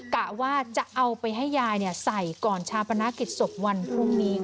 กะว่าจะเอาไปให้ยายใส่ก่อนชาปนกิจศพวันพรุ่งนี้ค่ะ